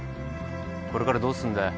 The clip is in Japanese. これからどうすんだよ？